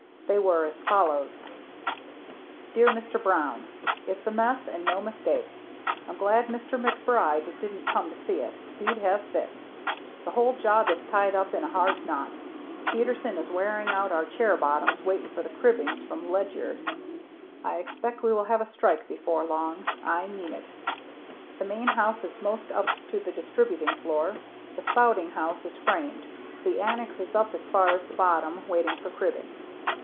They were as follows: DEAR MR. BROWN: It's a mess and no mistake. I'm glad Mr. MacBride didn't come to see it. He'd have fits. The whole job is tied up in a hard knot. Peterson is wearing out chair bottoms waiting for the cribbing from Ledyard. I expect we will have a strike before long. I mean it. The main house is most up to the distributing floor. The spouting house is framed. The annex is up as far as the bottom, waiting for cribbing.